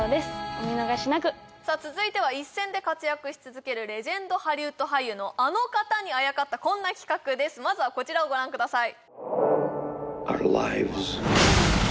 お見逃しなく続いては一線で活躍し続けるレジェンドハリウッド俳優のあの方にあやかったこんな企画ですまずはこちらをご覧ください